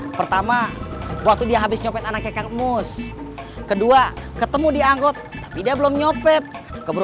sama pertama waktu dia habis nyopet anak kek kemus kedua ketemu dianggot tidak belum nyopet keburu